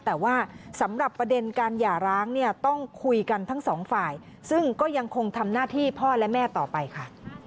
แต่ว่าสำหรับประเด็นการหย่าร้างเนี่ยต้องคุยกันทั้งสองฝ่ายซึ่งก็ยังคงทำหน้าที่พ่อและแม่ต่อไปค่ะ